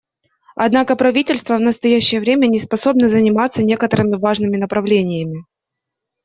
Однако правительство в настоящее время не способно заниматься некоторыми важными направлениями.